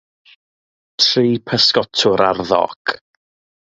Tri physgotwr ar ddoc